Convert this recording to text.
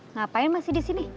ngapain masih di sini